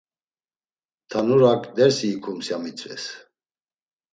Tanurak dersi ikums ya mitzves.